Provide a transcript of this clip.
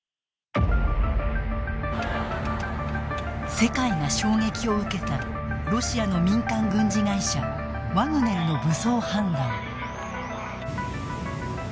世界が衝撃を受けたロシアの民間軍事会社ワグネルの武装反乱。